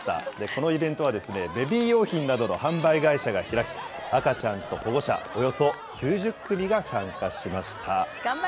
このイベントはベビー用品などの販売会社が開き、赤ちゃんと保護者、およそ９０組が参加しました。